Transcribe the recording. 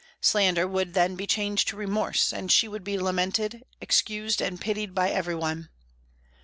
Slander would then be changed to remorse, and she would be lamented, excused, and pitied by everyone.